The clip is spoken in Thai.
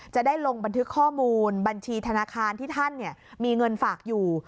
จะได้ลงบันทึกข้อมูลบัญชีธนาคารที่ท่านมีเงินฝากอยู่